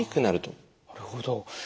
なるほど。